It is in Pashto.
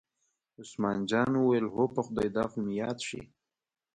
عثمان جان وویل: هو په خدای دا خو مې یاد شي.